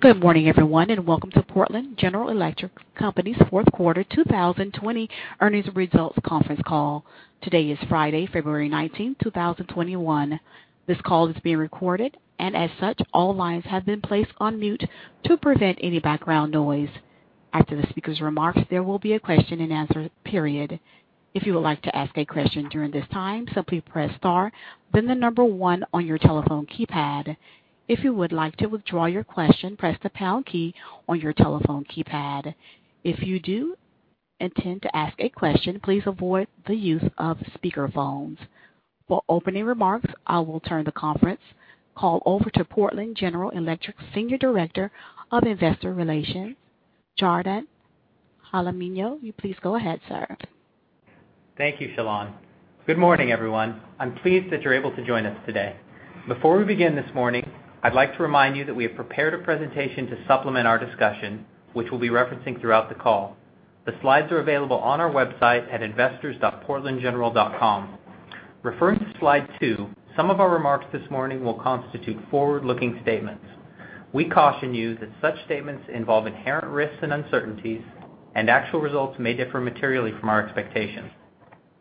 Good morning everyone, and welcome to Portland General Electric Company's fourth quarter 2020 earnings results conference call. Today is Friday, February 19 ,2021. This call is being recorded, and as such, all lines have been placed on mute to prevent any background noise. After the speakers' remarks, they will be a question and answer period. If you would like to ask a question during this time, simply press star then number one on your telephone keypad. If you do intend to ask a question, please avoid the use of spearkerphones. For opening remarks, I will turn the conference call over to Portland General Electric's Senior Director of Investor Relations, Jardon Jaramillo. Will you please go ahead, sir? Thank you, Shalane. Good morning, everyone. I'm pleased that you're able to join us today. Before we begin this morning, I'd like to remind you that we have prepared a presentation to supplement our discussion, which we'll be referencing throughout the call. The slides are available on our website at investors.portlandgeneral.com. Referring to slide two, some of our remarks this morning will constitute forward-looking statements. We caution you that such statements involve inherent risks and uncertainties, and actual results may differ materially from our expectations.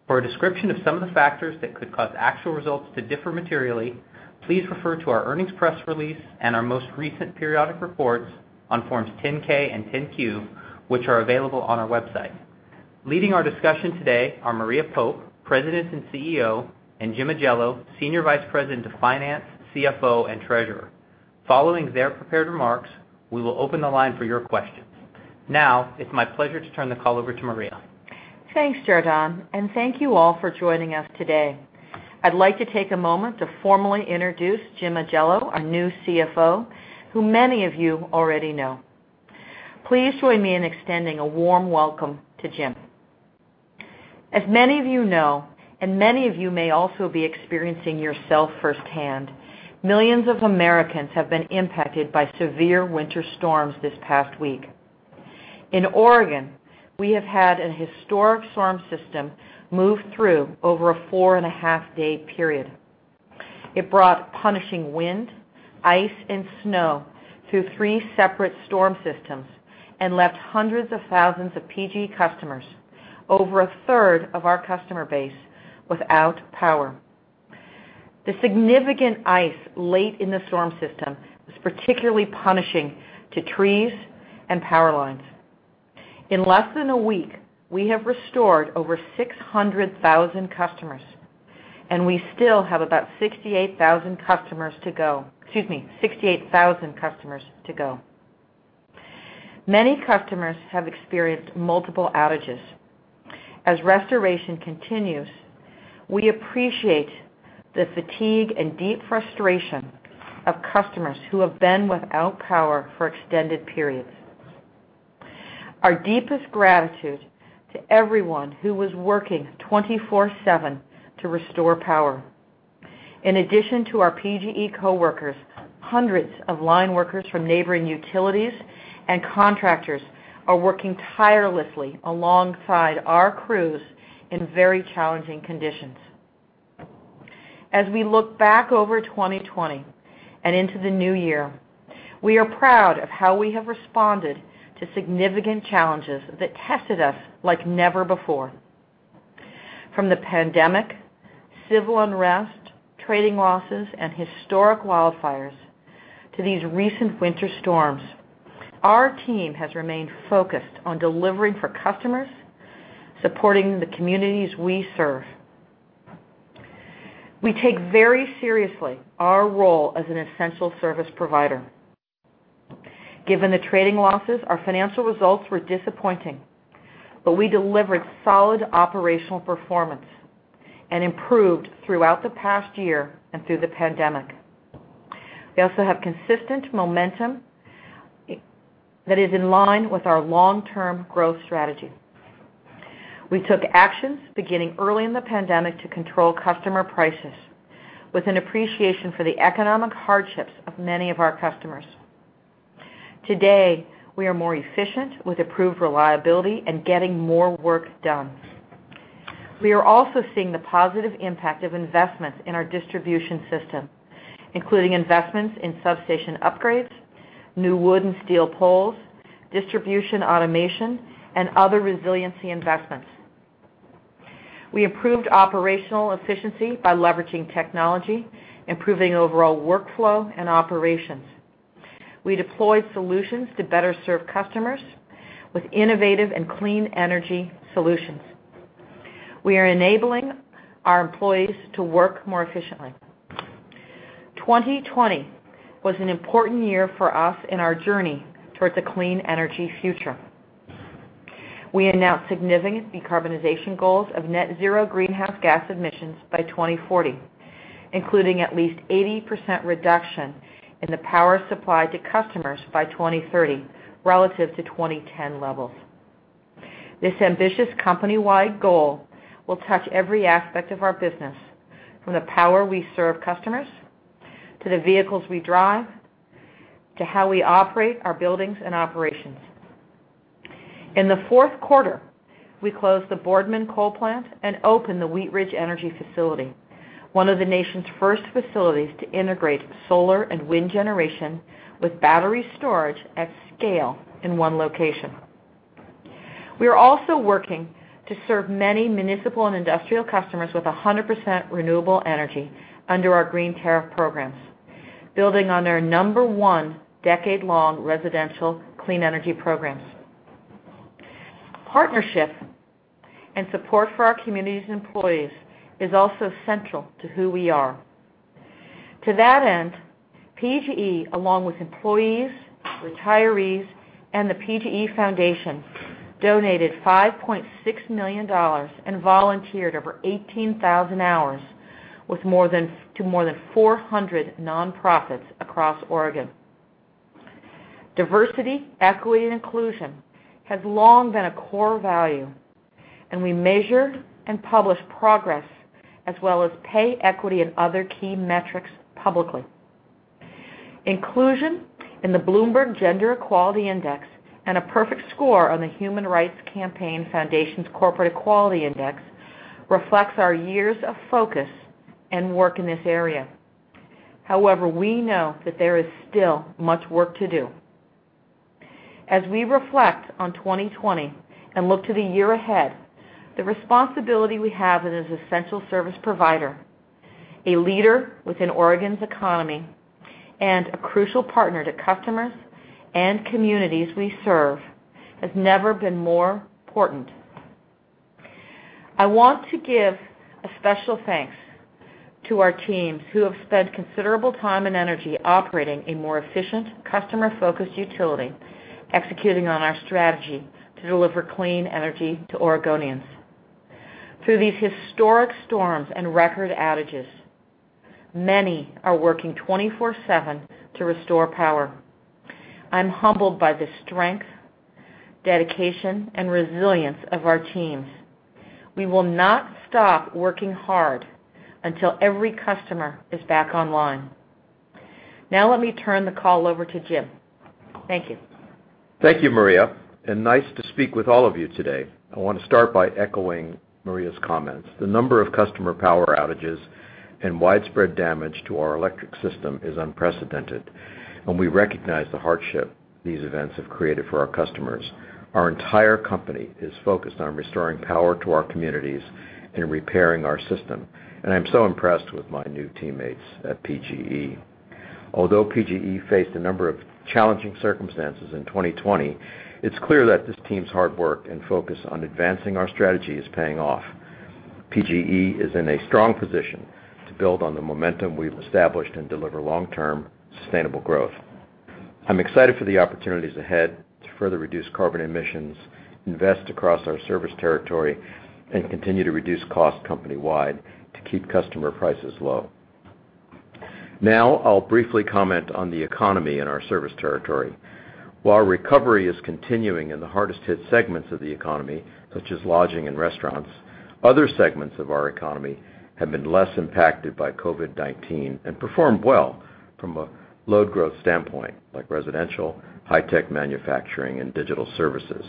For a description of some of the factors that could cause actual results to differ materially, please refer to our earnings press release and our most recent periodic reports on forms 10-K and 10-Q, which are available on our website. Leading our discussion today are Maria Pope, President and CEO, and Jim Ajello, Senior Vice President of Finance, CFO, and Treasurer. Following their prepared remarks, we will open the line for your questions. Now, it is my pleasure to turn the call over to Maria. Thanks, Jardon, and thank you all for joining us today. I'd like to take a moment to formally introduce Jim Ajello, our new CFO, who many of you already know. Please join me in extending a warm welcome to Jim. As many of you know, and many of you may also be experiencing yourself firsthand, millions of Americans have been impacted by severe winter storms this past week. In Oregon, we have had a historic storm system move through over a four and a half day period. It brought punishing wind, ice, and snow through three separate storm systems and left hundreds of thousands of PGE customers, over a third of our customer base, without power. The significant ice late in the storm system was particularly punishing to trees and power lines. In less than a week, we have restored over 600,000 customers, and we still have about 68,000 customers to go. Many customers have experienced multiple outages. As restoration continues, we appreciate the fatigue and deep frustration of customers who have been without power for extended periods. Our deepest gratitude to everyone who was working 24/7 to restore power. In addition to our PGE coworkers, hundreds of line workers from neighboring utilities and contractors are working tirelessly alongside our crews in very challenging conditions. As we look back over 2020 and into the new year, we are proud of how we have responded to significant challenges that tested us like never before. From the pandemic, civil unrest, trading losses, and historic wildfires, to these recent winter storms, our team has remained focused on delivering for customers, supporting the communities we serve. We take very seriously our role as an essential service provider. Given the trading losses, our financial results were disappointing, but we delivered solid operational performance and improved throughout the past year and through the pandemic. We also have consistent momentum that is in line with our long-term growth strategy. We took actions beginning early in the pandemic to control customer prices with an appreciation for the economic hardships of many of our customers. Today, we are more efficient with improved reliability and getting more work done. We are also seeing the positive impact of investments in our distribution system, including investments in substation upgrades, new wood and steel poles, distribution automation, and other resiliency investments. We improved operational efficiency by leveraging technology, improving overall workflow and operations. We deployed solutions to better serve customers with innovative and clean energy solutions. We are enabling our employees to work more efficiently. 2020 was an important year for us in our journey towards a clean energy future. We announced significant decarbonization goals of net zero greenhouse gas emissions by 2040, including at least 80% reduction in the power supplied to customers by 2030 relative to 2010 levels. This ambitious company-wide goal will touch every aspect of our business, from the power we serve customers, to the vehicles we drive, to how we operate our buildings and operations. In the fourth quarter, we closed the Boardman Coal Plant and opened the Wheatridge Renewable Energy Facility, one of the nation's first facilities to integrate solar and wind generation with battery storage at scale in one location. We are also working to serve many municipal and industrial customers with 100% renewable energy under our green tariff programs, building on their number one decade-long residential clean energy programs. Partnership and support for our communities and employees is also central to who we are. To that end, PGE, along with employees, retirees, and the PGE Foundation, donated $5.6 million and volunteered over 18,000 hours to more than 400 nonprofits across Oregon. Diversity, equity, and inclusion has long been a core value. We measure and publish progress as well as pay equity and other key metrics publicly. Inclusion in the Bloomberg Gender Equality Index, and a perfect score on the Human Rights Campaign Foundation's Corporate Equality Index reflects our years of focus and work in this area. However, we know that there is still much work to do. As we reflect on 2020 and look to the year ahead, the responsibility we have as an essential service provider, a leader within Oregon's economy, and a crucial partner to customers and communities we serve, has never been more important. I want to give a special thanks to our teams who have spent considerable time and energy operating a more efficient, customer-focused utility, executing on our strategy to deliver clean energy to Oregonians. Through these historic storms and record outages, many are working 24/7 to restore power. I'm humbled by the strength, dedication, and resilience of our teams. We will not stop working hard until every customer is back online. Now let me turn the call over to Jim. Thank you. Thank you, Maria. Nice to speak with all of you today. I want to start by echoing Maria's comments. The number of customer power outages and widespread damage to our electric system is unprecedented, and we recognize the hardship these events have created for our customers. Our entire company is focused on restoring power to our communities and repairing our system, and I'm so impressed with my new teammates at PGE. Although PGE faced a number of challenging circumstances in 2020, it's clear that this team's hard work and focus on advancing our strategy is paying off. PGE is in a strong position to build on the momentum we've established and deliver long-term sustainable growth. I'm excited for the opportunities ahead to further reduce carbon emissions, invest across our service territory, and continue to reduce costs company-wide to keep customer prices low. I'll briefly comment on the economy in our service territory. While recovery is continuing in the hardest-hit segments of the economy, such as lodging and restaurants, other segments of our economy have been less impacted by COVID-19 and performed well from a load growth standpoint, like residential, high-tech manufacturing, and digital services.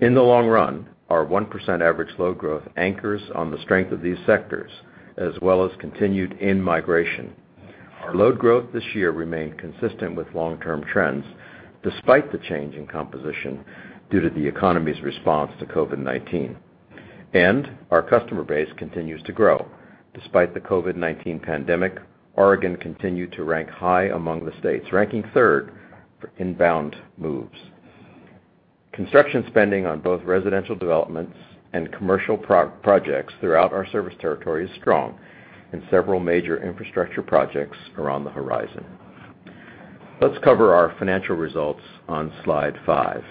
In the long run, our 1% average load growth anchors on the strength of these sectors, as well as continued in-migration. Our load growth this year remained consistent with long-term trends, despite the change in composition due to the economy's response to COVID-19. Our customer base continues to grow. Despite the COVID-19 pandemic, Oregon continued to rank high among the states, ranking third for inbound moves. Construction spending on both residential developments and commercial projects throughout our service territory is strong, and several major infrastructure projects are on the horizon. Let's cover our financial results on slide five.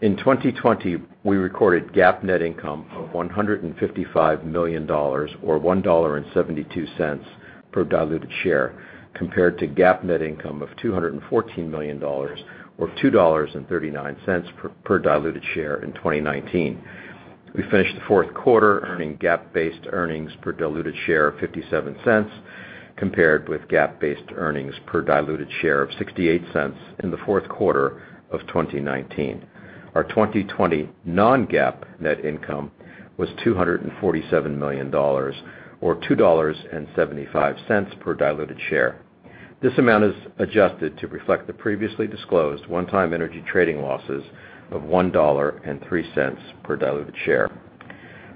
In 2020, we recorded GAAP net income of $155 million, or $1.72 per diluted share, compared to GAAP net income of $214 million, or $2.39 per diluted share in 2019. We finished the fourth quarter earning GAAP-based earnings per diluted share of $0.57, compared with GAAP-based earnings per diluted share of $0.68 in the fourth quarter of 2019. Our 2020 Non-GAAP net income was $247 million, or $2.75 per diluted share. This amount is adjusted to reflect the previously disclosed one-time energy trading losses of $1.03 per diluted share.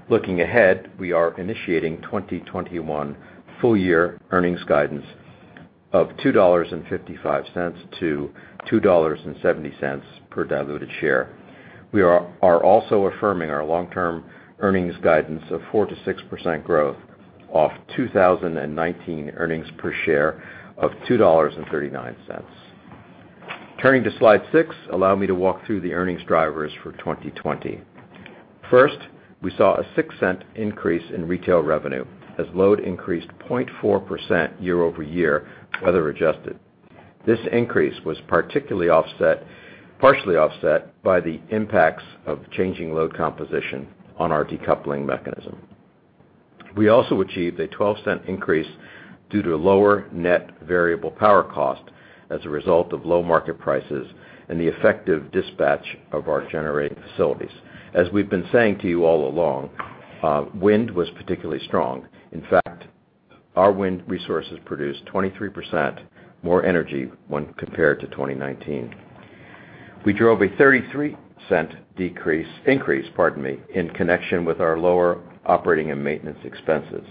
Looking ahead, we are initiating 2021 full-year earnings guidance of $2.55-$2.70 per diluted share. We are also affirming our long-term earnings guidance of 4%-6% growth off 2019 earnings per share of $2.39. Turning to slide six, allow me to walk through the earnings drivers for 2020. First, we saw a $0.06 increase in retail revenue as load increased 0.4% year-over-year, weather adjusted. This increase was partially offset by the impacts of changing load composition on our decoupling mechanism. We also achieved a $0.12 increase due to a lower net variable power cost as a result of low market prices and the effective dispatch of our generating facilities. As we've been saying to you all along, wind was particularly strong. In fact, our wind resources produced 23% more energy when compared to 2019. We drove a 33% increase, pardon me, in connection with our lower operating and maintenance expenses.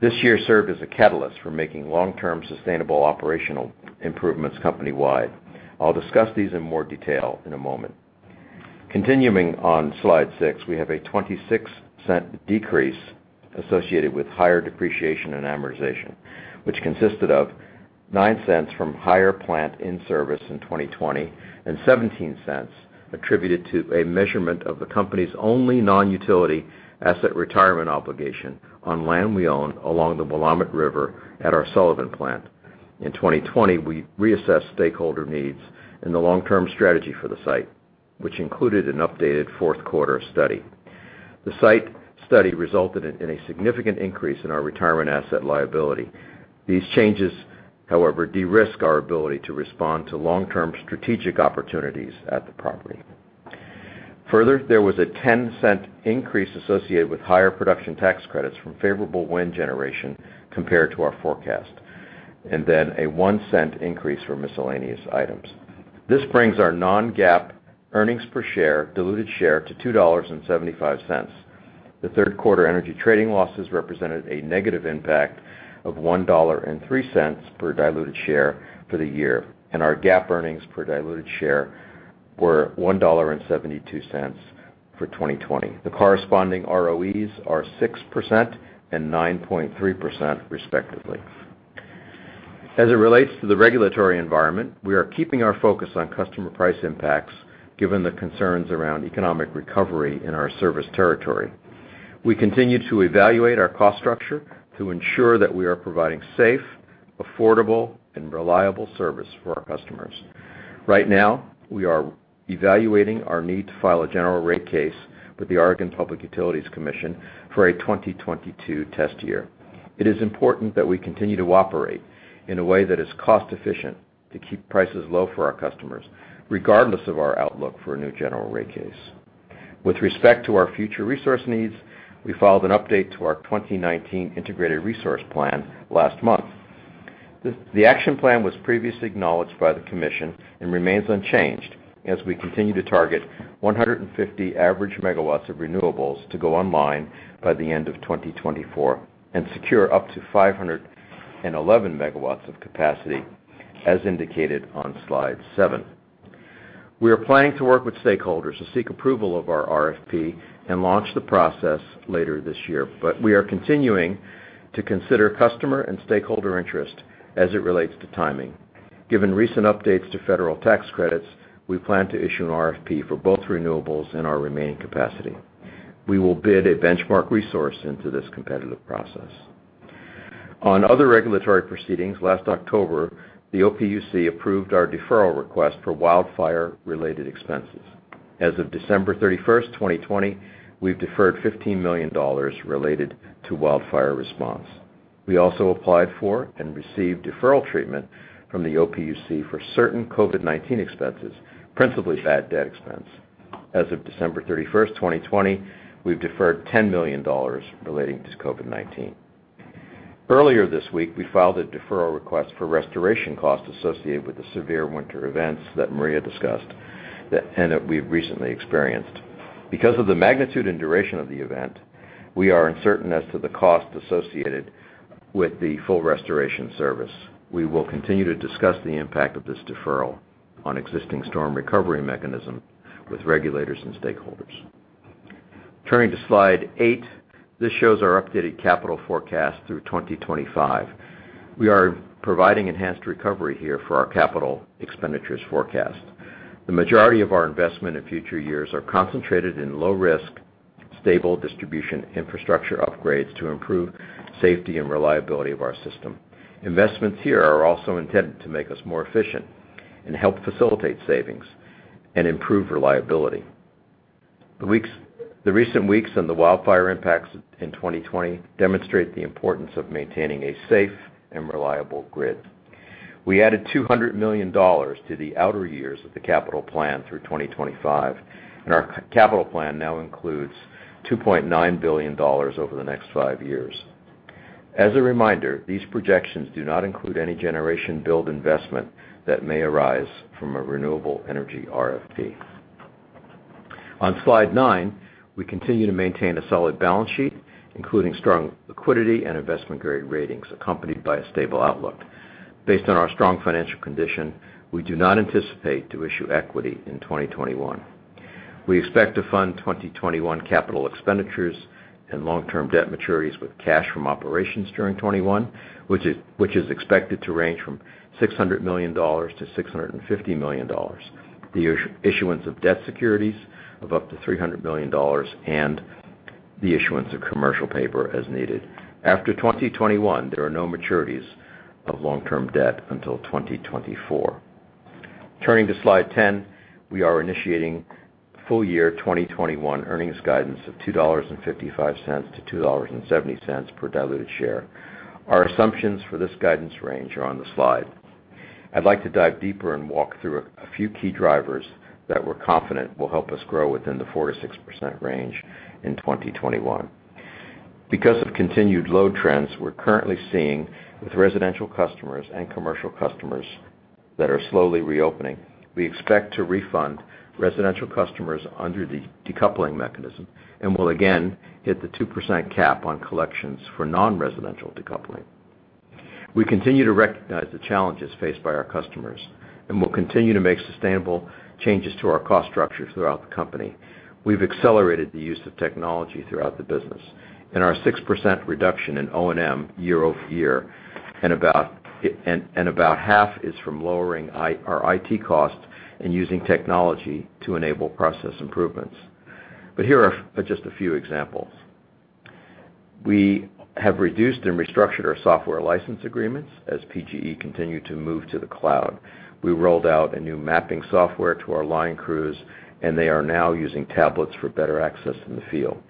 This year served as a catalyst for making long-term sustainable operational improvements company-wide. I'll discuss these in more detail in a moment. Continuing on slide six, we have a $0.26 decrease associated with higher depreciation and amortization, which consisted of $0.09 from higher plant in service in 2020, and $0.17 attributed to a measurement of the company's only non-utility asset retirement obligation on land we own along the Willamette River at our Sullivan Plant. In 2020, we reassessed stakeholder needs and the long-term strategy for the site, which included an updated fourth quarter study. The site study resulted in a significant increase in our retirement asset liability. These changes, however, de-risk our ability to respond to long-term strategic opportunities at the property. There was a $0.10 increase associated with higher production tax credits from favorable wind generation compared to our forecast, and then a $0.01 increase for miscellaneous items. This brings our Non-GAAP earnings per share, diluted share to $2.75. The third quarter energy trading losses represented a negative impact of $1.03 per diluted share for the year, and our GAAP earnings per diluted share were $1.72 for 2020. The corresponding ROEs are 6% and 9.3% respectively. As it relates to the regulatory environment, we are keeping our focus on customer price impacts, given the concerns around economic recovery in our service territory. We continue to evaluate our cost structure to ensure that we are providing safe, affordable, and reliable service for our customers. Right now, we are evaluating our need to file a general rate case with the Oregon Public Utilities Commission for a 2022 test year. It is important that we continue to operate in a way that is cost-efficient to keep prices low for our customers, regardless of our outlook for a new general rate case. With respect to our future resource needs, we filed an update to our 2019 Integrated Resource Plan last month. The action plan was previously acknowledged by the commission and remains unchanged as we continue to target 150 average megawatts of renewables to go online by the end of 2024 and secure up to 511 megawatts of capacity, as indicated on slide seven. We are planning to work with stakeholders to seek approval of our RFP and launch the process later this year. We are continuing to consider customer and stakeholder interest as it relates to timing. Given recent updates to federal tax credits, we plan to issue an RFP for both renewables and our remaining capacity. We will bid a benchmark resource into this competitive process. On other regulatory proceedings, last October, the OPUC approved our deferral request for wildfire-related expenses. As of December 31st, 2020, we've deferred $15 million related to wildfire response. We also applied for and received deferral treatment from the OPUC for certain COVID-19 expenses, principally bad debt expense. As of December 31st, 2020, we've deferred $10 million relating to COVID-19. Earlier this week, we filed a deferral request for restoration costs associated with the severe winter events that Maria discussed and that we've recently experienced. Because of the magnitude and duration of the event, we are uncertain as to the cost associated with the full restoration service. We will continue to discuss the impact of this deferral on existing storm recovery mechanism with regulators and stakeholders. Turning to slide eight, this shows our updated capital forecast through 2025. We are providing enhanced recovery here for our capital expenditures forecast. The majority of our investment in future years are concentrated in low-risk, stable distribution infrastructure upgrades to improve safety and reliability of our system. Investments here are also intended to make us more efficient and help facilitate savings and improve reliability. The recent weeks and the wildfire impacts in 2020 demonstrate the importance of maintaining a safe and reliable grid. We added $200 million to the outer years of the capital plan through 2025, and our capital plan now includes $2.9 billion over the next five years. As a reminder, these projections do not include any generation build investment that may arise from a renewable energy RFP. On slide nine, we continue to maintain a solid balance sheet, including strong liquidity and investment-grade ratings, accompanied by a stable outlook. Based on our strong financial condition, we do not anticipate to issue equity in 2021. We expect to fund 2021 capital expenditures and long-term debt maturities with cash from operations during 2021, which is expected to range from $600 million-$650 million. The issuance of debt securities of up to $300 million and the issuance of commercial paper as needed. After 2021, there are no maturities of long-term debt until 2024. Turning to slide 10, we are initiating full year 2021 earnings guidance of $2.55-$2.70 per diluted share. Our assumptions for this guidance range are on the slide. I'd like to dive deeper and walk through a few key drivers that we're confident will help us grow within the 4%-6% range in 2021. Because of continued load trends we're currently seeing with residential customers and commercial customers that are slowly reopening, we expect to refund residential customers under the decoupling mechanism and will again hit the 2% cap on collections for non-residential decoupling. We continue to recognize the challenges faced by our customers, and we'll continue to make sustainable changes to our cost structure throughout the company. We've accelerated the use of technology throughout the business. In our 6% reduction in O&M year-over-year, about half is from lowering our IT costs and using technology to enable process improvements. Here are just a few examples. We have reduced and restructured our software license agreements as PGE continued to move to the cloud. We rolled out a new mapping software to our line crews, and they are now using tablets for better access in the field.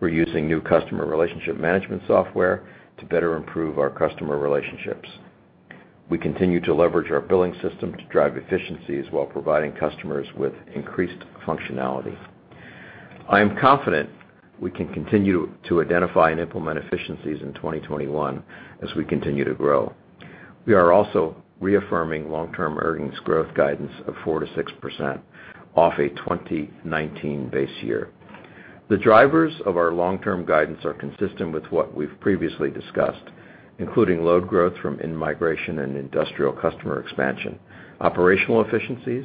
We're using new customer relationship management software to better improve our customer relationships. We continue to leverage our billing system to drive efficiencies while providing customers with increased functionality. I am confident we can continue to identify and implement efficiencies in 2021 as we continue to grow. We are also reaffirming long-term earnings growth guidance of 4%-6% off a 2019 base year. The drivers of our long-term guidance are consistent with what we've previously discussed, including load growth from in-migration and industrial customer expansion, operational efficiencies,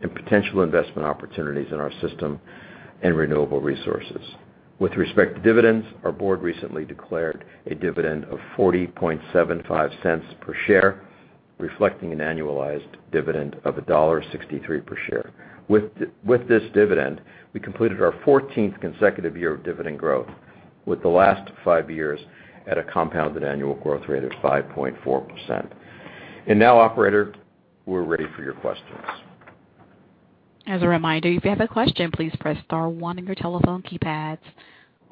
and potential investment opportunities in our system and renewable resources. With respect to dividends, our board recently declared a dividend of $0.4075 per share, reflecting an annualized dividend of $1.63 per share. With this dividend, we completed our 14th consecutive year of dividend growth, with the last five years at a compounded annual growth rate of 5.4%. Now, operator, we're ready for your questions. As a reminder, if you have a question, please press star one on your telephone keypads.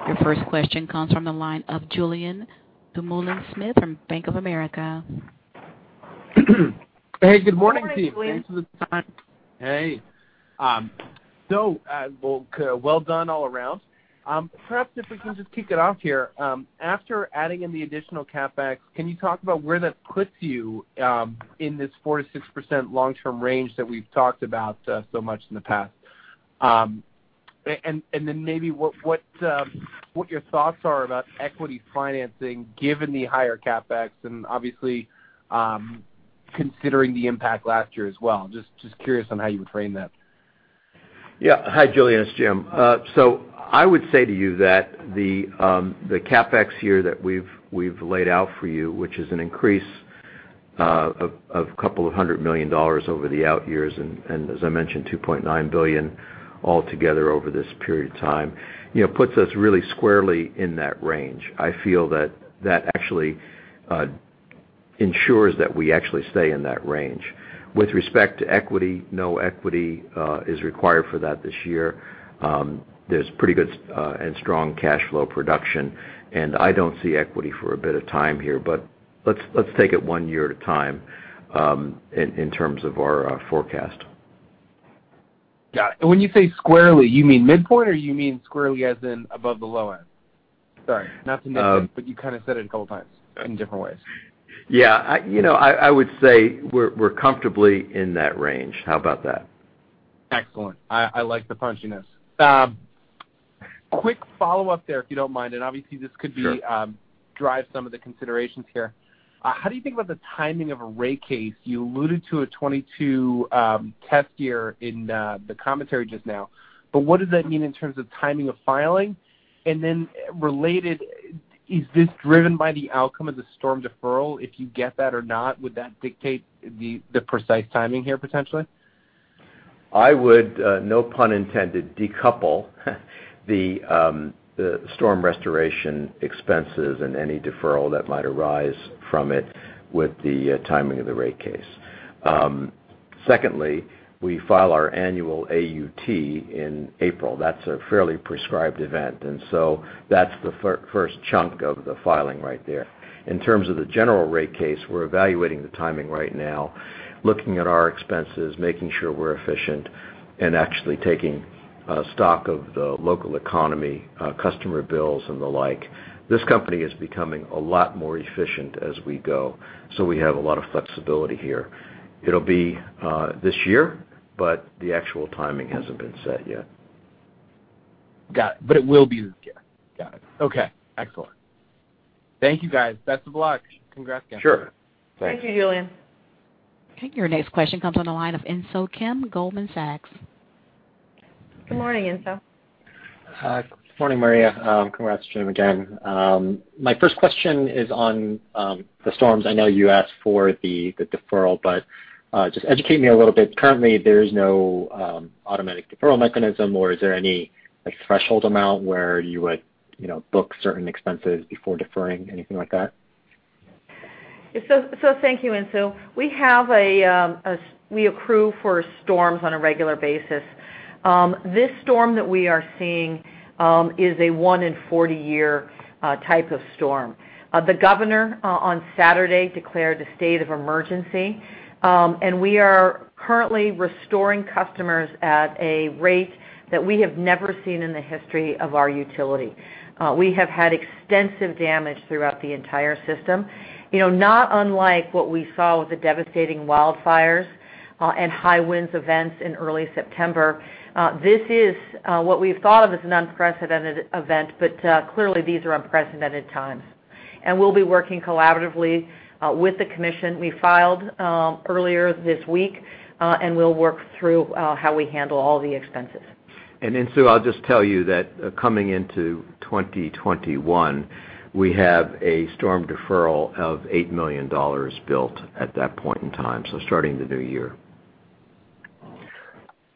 Your first question comes from the line of Julien Dumoulin-Smith from Bank of America. Hey, good morning, team. Good morning, Julien. Thanks for the time. Hey. Well done all around. Perhaps if we can just kick it off here, after adding in the additional CapEx, can you talk about where that puts you in this 4%-6% long-term range that we've talked about so much in the past? Maybe what your thoughts are about equity financing, given the higher CapEx and obviously, considering the impact last year as well. Just curious on how you would frame that. Yeah. Hi, Julien. It's Jim. I would say to you that the CapEx here that we've laid out for you, which is an increase of $200 million over the out years, and as I mentioned, $2.9 billion altogether over this period of time, puts us really squarely in that range. I feel that that actually ensures that we actually stay in that range. With respect to equity, no equity is required for that this year. There's pretty good and strong cash flow production, and I don't see equity for a bit of time here, but let's take it one year at a time in terms of our forecast. Got it. When you say squarely, you mean midpoint, or you mean squarely as in above the low end? Sorry, not to nitpick, but you kind of said it a couple times in different ways. Yeah. I would say we're comfortably in that range. How about that? Excellent. I like the punchiness. Quick follow-up there, if you don't mind. Obviously this could be. Sure drive some of the considerations here. How do you think about the timing of a rate case? You alluded to a 2022 test year in the commentary just now, what does that mean in terms of timing of filing? Related, is this driven by the outcome of the storm deferral? If you get that or not, would that dictate the precise timing here, potentially? I would, no pun intended, decouple the storm restoration expenses and any deferral that might arise from it with the timing of the rate case. Secondly, we file our annual AUT in April. That's a fairly prescribed event, that's the first chunk of the filing right there. In terms of the general rate case, we're evaluating the timing right now, looking at our expenses, making sure we're efficient, and actually taking stock of the local economy, customer bills, and the like. This company is becoming a lot more efficient as we go, we have a lot of flexibility here. It'll be this year, the actual timing hasn't been set yet. Got it. It will be this year? Got it. Okay, excellent. Thank you, guys. Best of luck. Congrats again. Sure. Thanks. Thank you, Julien. Okay, your next question comes on the line of Insoo Kim, Goldman Sachs. Good morning, Insoo. Hi. Morning, Maria. Congrats, Jim, again. My first question is on the storms. I know you asked for the deferral, but just educate me a little bit. Currently, there is no automatic deferral mechanism, or is there any threshold amount where you would book certain expenses before deferring? Anything like that? Thank you, Insoo. We accrue for storms on a regular basis. This storm that we are seeing is a one in 40 year type of storm. The governor, on Saturday, declared a state of emergency, we are currently restoring customers at a rate that we have never seen in the history of our utility. We have had extensive damage throughout the entire system. Not unlike what we saw with the devastating wildfires and high winds events in early September. This is what we've thought of as an unprecedented event, clearly these are unprecedented times, we'll be working collaboratively with the commission. We filed earlier this week, we'll work through how we handle all the expenses. Insoo, I'll just tell you that coming into 2021, we have a storm deferral of $8 million built at that point in time, so starting the new year.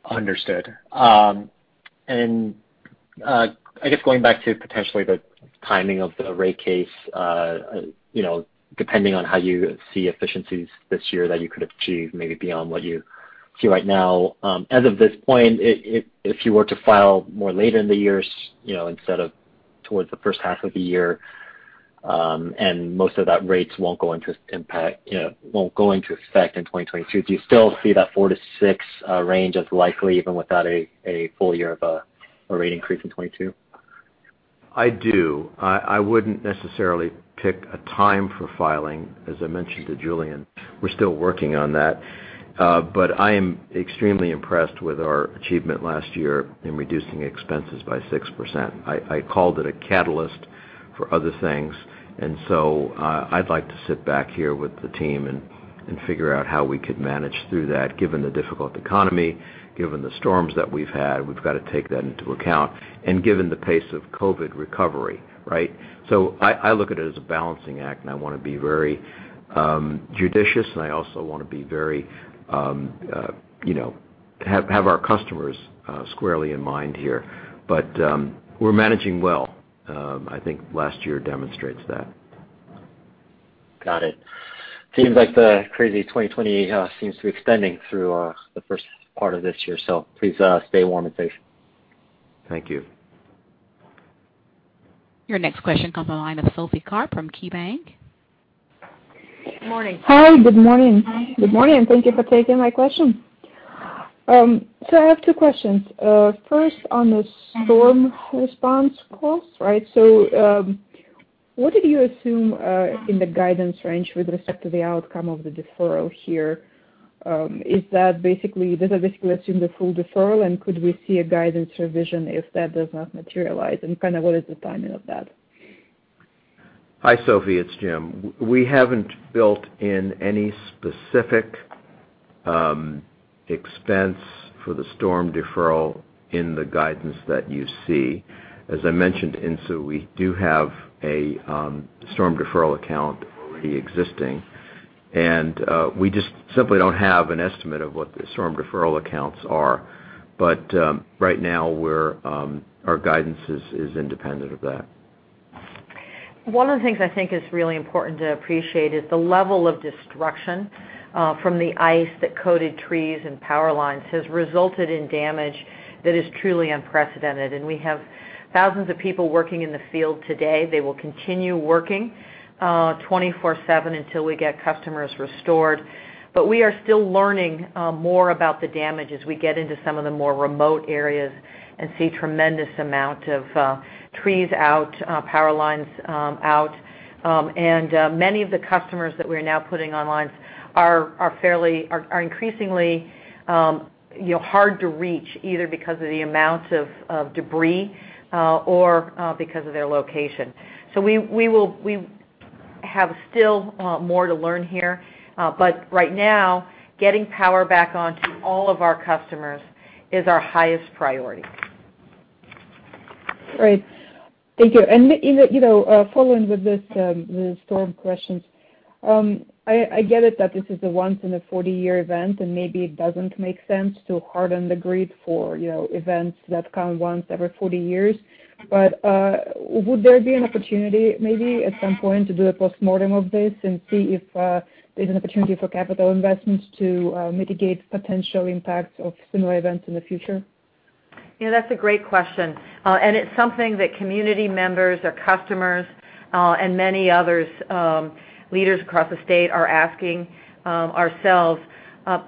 Understood. I guess going back to potentially the timing of the rate case, depending on how you see efficiencies this year that you could achieve maybe beyond what you see right now. As of this point, if you were to file more later in the years, instead of towards the first half of the year, and most of that rates won't go into effect in 2022, do you still see that 4-6 range as likely, even without a full year of a rate increase in 2022? I do. I wouldn't necessarily pick a time for filing. As I mentioned to Julien, we're still working on that. I am extremely impressed with our achievement last year in reducing expenses by 6%. I called it a catalyst for other things, and so I'd like to sit back here with the team and figure out how we could manage through that given the difficult economy, given the storms that we've had, we've got to take that into account, and given the pace of COVID-19 recovery. Right? I look at it as a balancing act, and I want to be very judicious, and I also want to have our customers squarely in mind here. We're managing well. I think last year demonstrates that. Got it. Seems like the crazy 2020 seems to be extending through the first part of this year. Please stay warm and safe. Thank you. Your next question comes on the line of Sophie Karp from KeyBanc. Morning. Hi. Good morning. Good morning, and thank you for taking my question. I have two questions. First, on the storm response costs. What did you assume in the guidance range with respect to the outcome of the deferral here? Does that basically assume the full deferral, and could we see a guidance revision if that does not materialize? Kind of what is the timing of that? Hi, Sophie. It's Jim. We haven't built in any specific expense for the storm deferral in the guidance that you see. As I mentioned, Insoo, we do have a storm deferral account already existing, and we just simply don't have an estimate of what the storm deferral accounts are. Right now, our guidance is independent of that. One of the things I think is really important to appreciate is the level of destruction from the ice that coated trees and power lines has resulted in damage that is truly unprecedented. We have thousands of people working in the field today. They will continue working 24/7 until we get customers restored. We are still learning more about the damage as we get into some of the more remote areas and see tremendous amount of trees out, power lines out. Many of the customers that we're now putting online are increasingly hard to reach, either because of the amount of debris or because of their location. We have still more to learn here. Right now, getting power back on to all of our customers is our highest priority. Great. Thank you. Following with the storm questions, I get it that this is a once in a 40-year event, and maybe it doesn't make sense to harden the grid for events that come once every 40 years. Would there be an opportunity maybe at some point to do a postmortem of this and see if there's an opportunity for capital investments to mitigate potential impacts of similar events in the future? That's a great question. It's something that community members, our customers, and many others leaders across the state are asking ourselves.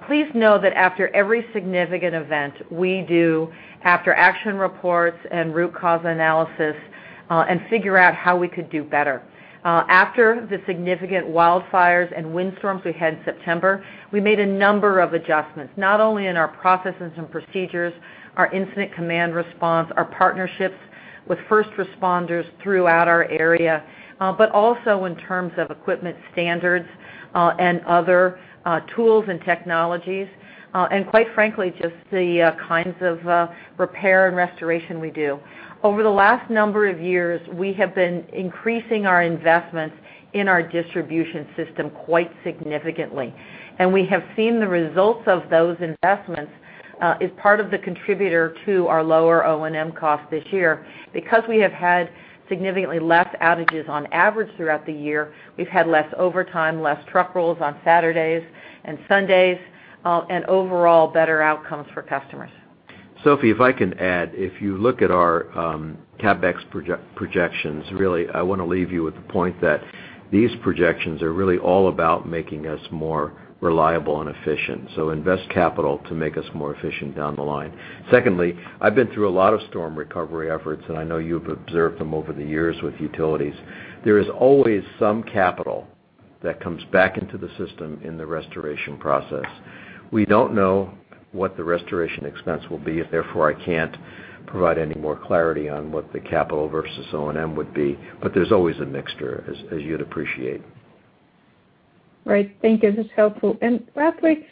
Please know that after every significant event, we do after action reports and root cause analysis, and figure out how we could do better. After the significant wildfires and windstorms we had in September, we made a number of adjustments, not only in our processes and procedures, our incident command response, our partnerships with first responders throughout our area, but also in terms of equipment standards and other tools and technologies, and quite frankly, just the kinds of repair and restoration we do. Over the last number of years, we have been increasing our investments in our distribution system quite significantly, and we have seen the results of those investments as part of the contributor to our lower O&M cost this year. Because we have had significantly less outages on average throughout the year, we've had less overtime, less truck rolls on Saturdays and Sundays, and overall better outcomes for customers. Sophie, if I can add, if you look at our CapEx projections, really, I want to leave you with the point that these projections are really all about making us more reliable and efficient. Invest capital to make us more efficient down the line. Secondly, I've been through a lot of storm recovery efforts, and I know you've observed them over the years with utilities. There is always some capital that comes back into the system in the restoration process. We don't know what the restoration expense will be, if therefore I can't provide any more clarity on what the capital versus O&M would be, but there's always a mixture as you'd appreciate. Right. Thank you. This is helpful. Lastly,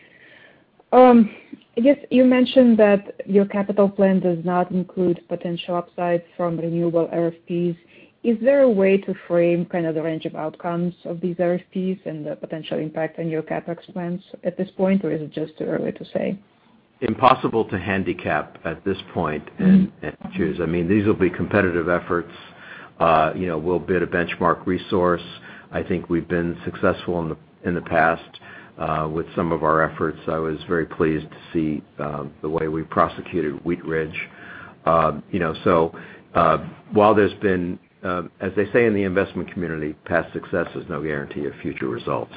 I guess you mentioned that your capital plan does not include potential upsides from renewable RFPs. Is there a way to frame kind of the range of outcomes of these RFPs and the potential impact on your CapEx plans at this point, or is it just too early to say? Impossible to handicap at this point and choose. These will be competitive efforts. We'll bid a benchmark resource. I think we've been successful in the past with some of our efforts. I was very pleased to see the way we prosecuted Wheatridge. While there's been, as they say in the investment community, past success is no guarantee of future results.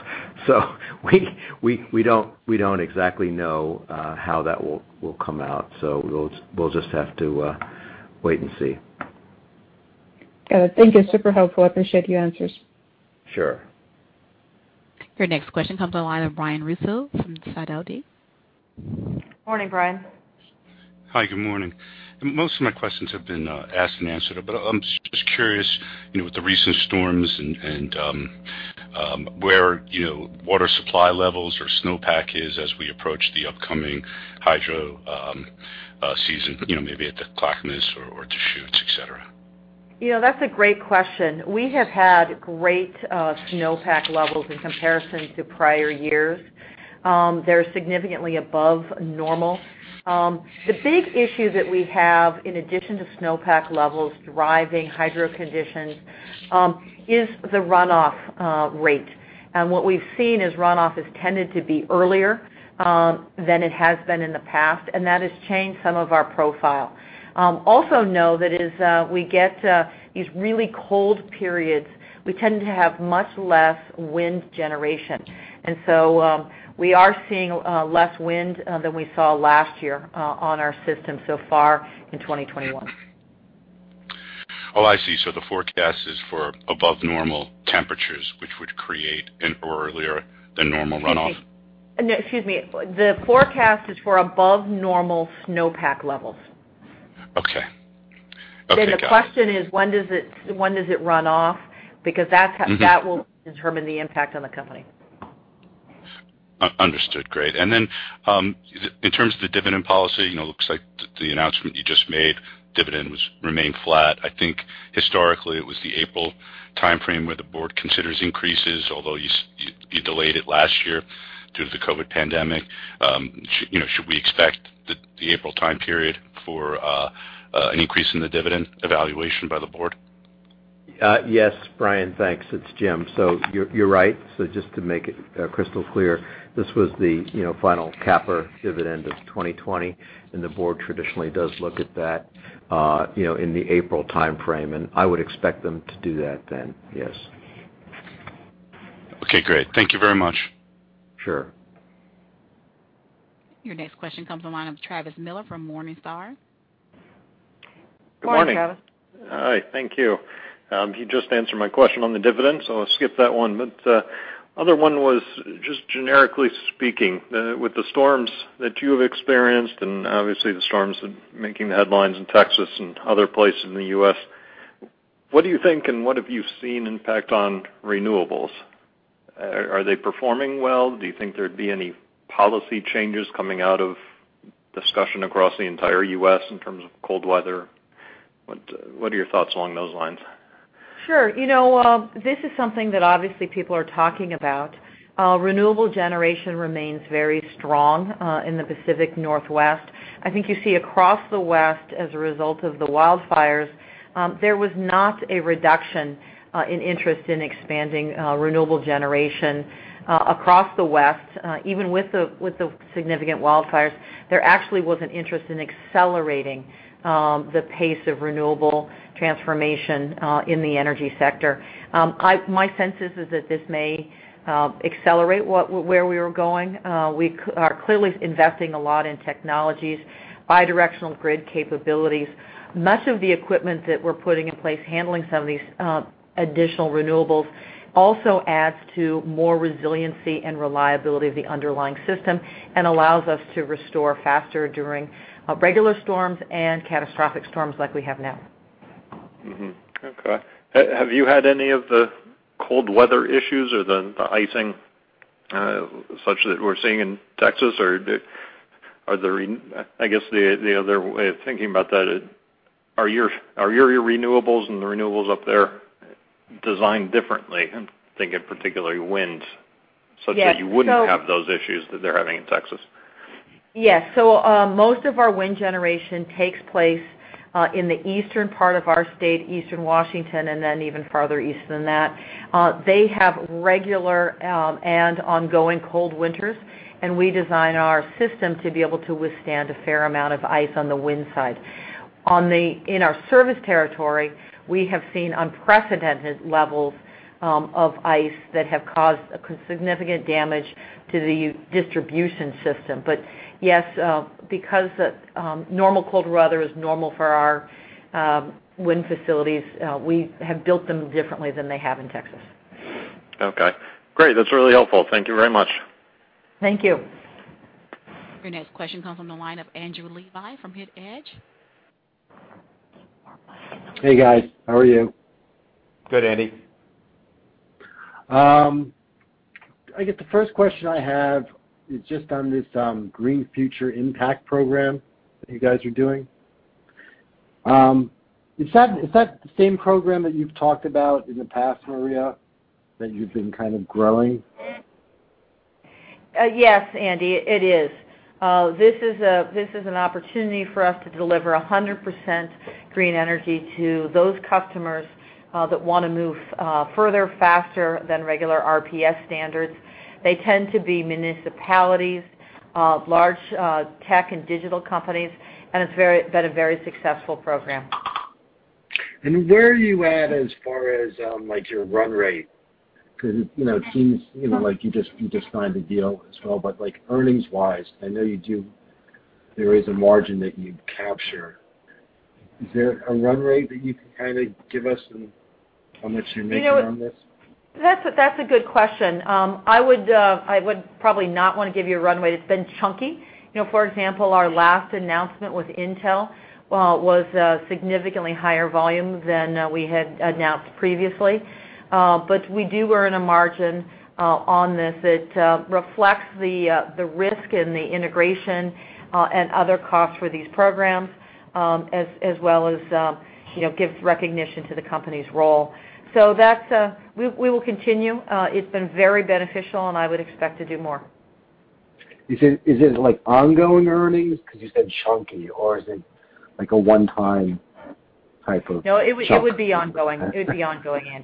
We don't exactly know how that will come out. We'll just have to wait and see. Got it. Thank you. Super helpful. I appreciate your answers. Sure. Your next question comes on the line of Brian Russo from Sidoti. Morning, Brian. Hi, good morning. Most of my questions have been asked and answered, but I'm just curious, with the recent storms and where water supply levels or snowpack is as we approach the upcoming hydro season, maybe at the Clackamas or Deschutes, et cetera. That's a great question. We have had great snowpack levels in comparison to prior years. They're significantly above normal. The big issue that we have, in addition to snowpack levels driving hydro conditions, is the runoff rate. What we've seen is runoff has tended to be earlier than it has been in the past, and that has changed some of our profile. Also know that as we get these really cold periods, we tend to have much less wind generation. We are seeing less wind than we saw last year on our system so far in 2021. Oh, I see. The forecast is for above normal temperatures, which would create an earlier than normal runoff. No, excuse me. The forecast is for above normal snowpack levels. Okay. Got it. The question is, when does it run off? Because that will determine the impact on the company. Understood, great. Then, in terms of the dividend policy, looks like the announcement you just made, dividend remained flat. I think historically it was the April timeframe where the board considers increases, although you delayed it last year due to the COVID-19 pandemic. Should we expect the April time period for an increase in the dividend evaluation by the board? Yes. Brian, thanks. It's Jim. You're right. Just to make it crystal clear, this was the final capper dividend of 2020, and the board traditionally does look at that in the April timeframe, and I would expect them to do that then, yes. Okay, great. Thank you very much. Sure. Your next question comes on the line of Travis Miller from Morningstar. Good morning, Travis. Good morning. Hi, thank you. You just answered my question on the dividend, so I'll skip that one. Other one was just generically speaking, with the storms that you have experienced and obviously the storms making the headlines in Texas and other places in the U.S., what do you think and what have you seen impact on renewables? Are they performing well? Do you think there'd be any policy changes coming out of discussion across the entire U.S. in terms of cold weather? What are your thoughts along those lines? Sure. This is something that obviously people are talking about. Renewable generation remains very strong in the Pacific Northwest. I think you see across the West, as a result of the wildfires, there was not a reduction in interest in expanding renewable generation across the West. Even with the significant wildfires, there actually was an interest in accelerating the pace of renewable transformation in the energy sector. My sense is that this may accelerate where we were going. We are clearly investing a lot in technologies, bidirectional grid capabilities. Much of the equipment that we're putting in place handling some of these additional renewables also adds to more resiliency and reliability of the underlying system and allows us to restore faster during regular storms and catastrophic storms like we have now. Okay. Have you had any of the cold weather issues or the icing such that we're seeing in Texas? I guess the other way of thinking about that is, are your renewables and the renewables up there designed differently? I'm thinking particularly wind- Yes such that you wouldn't have those issues that they're having in Texas? Yes. Most of our wind generation takes place in the eastern part of our state, Eastern Washington, and then even farther east than that. They have regular and ongoing cold winters, and we design our system to be able to withstand a fair amount of ice on the wind side. In our service territory, we have seen unprecedented levels of ice that have caused significant damage to the distribution system. Yes, because normal cold weather is normal for our wind facilities, we have built them differently than they have in Texas. Okay. Great. That's really helpful. Thank you very much. Thank you. Your next question comes on the line of Andrew Levi from HITE Hedge. Hey, guys. How are you? Good, Andy. I guess the first question I have is just on this Green Future Impact program that you guys are doing. Is that the same program that you've talked about in the past, Maria, that you've been kind of growing? Yes, Andy, it is. This is an opportunity for us to deliver 100% green energy to those customers that want to move further faster than regular RPS standards. They tend to be municipalities, large tech and digital companies, and it's been a very successful program. Where are you at as far as your run rate? It seems like you just signed a deal as well. Earnings-wise, I know there is a margin that you capture. Is there a run rate that you can kind of give us on how much you're making on this? That's a good question. I would probably not want to give you a run rate. It's been chunky. For example, our last announcement with Intel was a significantly higher volume than we had announced previously. We do earn a margin on this. It reflects the risk and the integration and other costs for these programs, as well as gives recognition to the company's role. We will continue. It's been very beneficial, and I would expect to do more. Is it ongoing earnings, because you said chunky, or is it like a one-time type of chunk? No, it would be ongoing, Andy.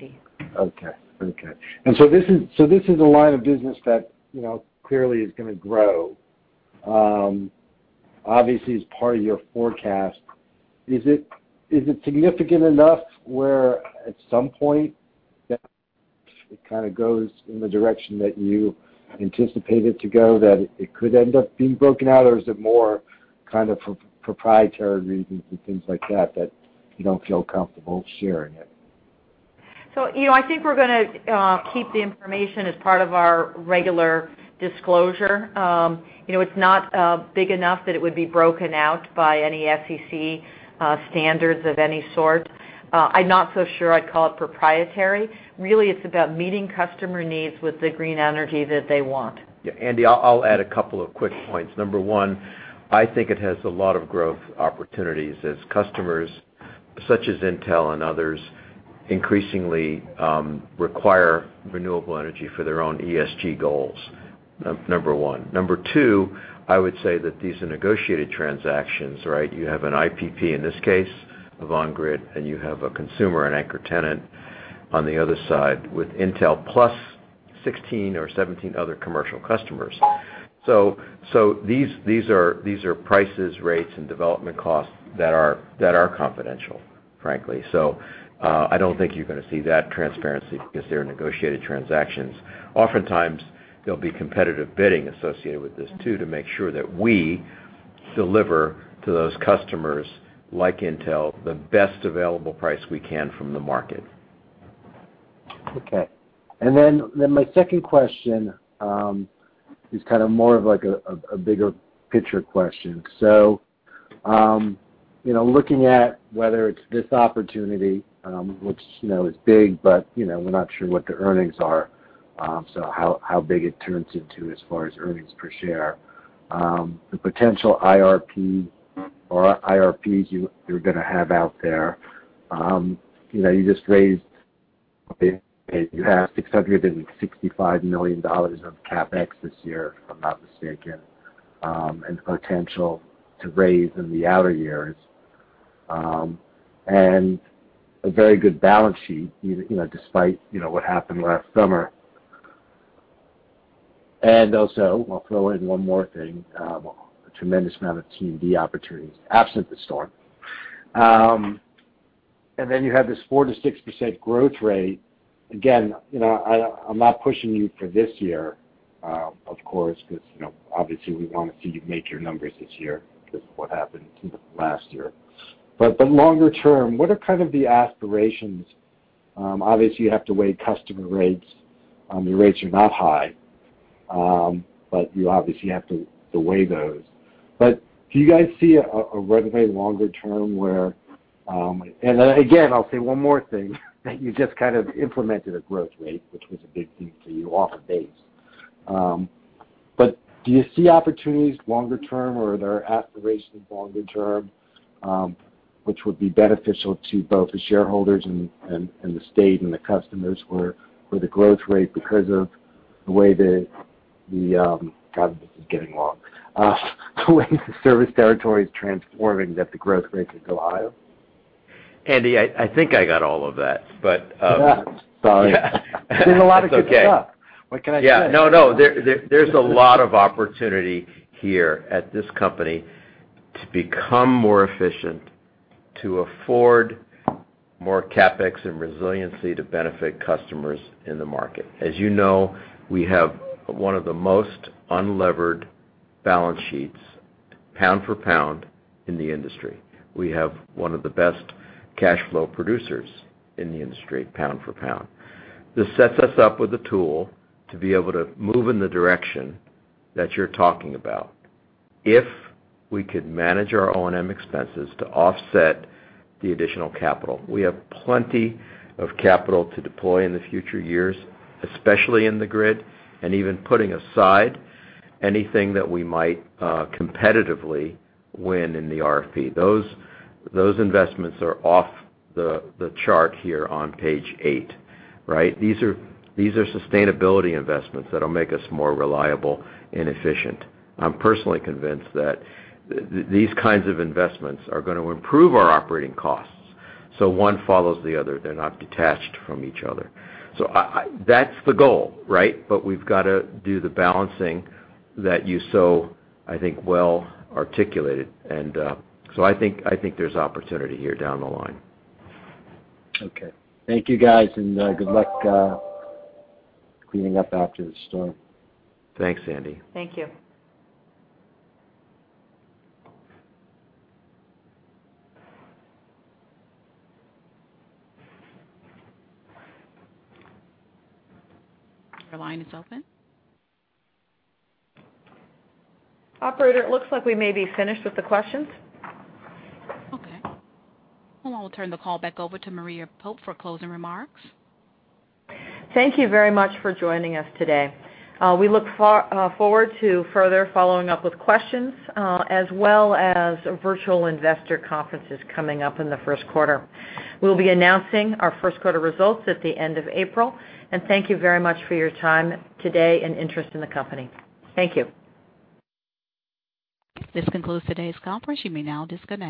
Okay. This is a line of business that clearly is going to grow, obviously as part of your forecast. Is it significant enough where at some point that it kind of goes in the direction that you anticipate it to go, that it could end up being broken out? Or is it more kind of for proprietary reasons and things like that you don't feel comfortable sharing it? I think we're going to keep the information as part of our regular disclosure. It's not big enough that it would be broken out by any SEC standards of any sort. I'm not so sure I'd call it proprietary. It's about meeting customer needs with the green energy that they want. Yeah, Andy, I'll add a couple of quick points. Number one, I think it has a lot of growth opportunities as customers, such as Intel and others, increasingly require renewable energy for their own ESG goals. Number one. Number two, I would say that these are negotiated transactions. You have an IPP, in this case, Avangrid, and you have a consumer and anchor tenant on the other side with Intel plus 16 or 17 other commercial customers. These are prices, rates, and development costs that are confidential, frankly. I don't think you're going to see that transparency because they're negotiated transactions. Oftentimes, there'll be competitive bidding associated with this, too, to make sure that we deliver to those customers, like Intel, the best available price we can from the market. My second question is kind of more of a bigger picture question. Looking at whether it's this opportunity, which is big, but we're not sure what the earnings are, so how big it turns into as far as earnings per share. The potential IRP or IRPs you're going to have out there. You just raised, you have $665 million of CapEx this year, if I'm not mistaken, and potential to raise in the outer years. A very good balance sheet, despite what happened last summer. Also, I'll throw in one more thing, a tremendous amount of T&D opportunities, absent the storm. Then you have this 4%-6% growth rate. Again, I'm not pushing you for this year, of course, because obviously we want to see you make your numbers this year because of what happened last year. Longer term, what are kind of the aspirations? Obviously, you have to weigh customer rates. Your rates are not high, you obviously have to weigh those. Do you guys see a run rate longer term and again, I'll say one more thing, that you just kind of implemented a growth rate, which was a big thing for you off of base. Do you see opportunities longer term, or are there aspirations longer term? Which would be beneficial to both the shareholders and the state and the customers where the growth rate, because of the way the service territory is transforming, that the growth rate could go higher. Andy, I think I got all of that. Yeah. Sorry. Yeah. There's a lot of good stuff. What can I say? No, there's a lot of opportunity here at this company to become more efficient, to afford more CapEx and resiliency to benefit customers in the market. As you know, we have one of the most unlevered balance sheets, pound for pound, in the industry. We have one of the best cash flow producers in the industry, pound for pound. This sets us up with a tool to be able to move in the direction that you're talking about. If we could manage our O&M expenses to offset the additional capital. We have plenty of capital to deploy in the future years, especially in the grid, and even putting aside anything that we might competitively win in the RFP. Those investments are off the chart here on page eight, right? These are sustainability investments that'll make us more reliable and efficient. I'm personally convinced that these kinds of investments are going to improve our operating costs. One follows the other. They're not detached from each other. That's the goal, right? We've got to do the balancing that you so, I think, well-articulated. I think there's opportunity here down the line. Okay. Thank you, guys, and good luck cleaning up after the storm. Thanks, Andy. Thank you. Your line is open. Operator, it looks like we may be finished with the questions. Okay. Well, I'll turn the call back over to Maria Pope for closing remarks. Thank you very much for joining us today. We look forward to further following up with questions, as well as virtual investor conferences coming up in the first quarter. We'll be announcing our first-quarter results at the end of April, and thank you very much for your time today and interest in the company. Thank you. This concludes today's conference. You may now disconnect.